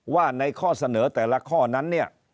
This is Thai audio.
ว่าในข้อเสนอแต่ละข้อนั้นเนี่ย